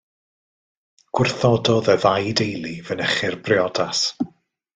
Gwrthododd y ddau deulu fynychu'r briodas.